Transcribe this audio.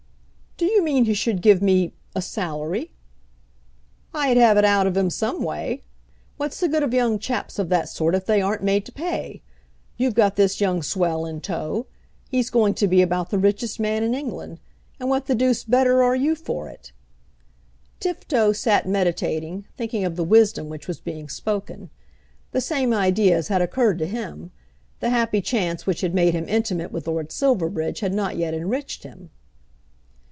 "Do you mean he should give me a salary?" "I'd have it out of him some way. What's the good of young chaps of that sort if they aren't made to pay? You've got this young swell in tow. He's going to be about the richest man in England; and what the deuce better are you for it?" Tifto sat meditating, thinking of the wisdom which was being spoken. The same ideas had occurred to him. The happy chance which had made him intimate with Lord Silverbridge had not yet enriched him.